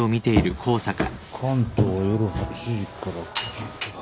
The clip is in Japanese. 関東は夜８時から９時か。